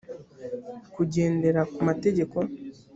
kugendera ku mategeko